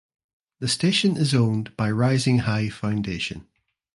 The station is owned by Rising High Foundation.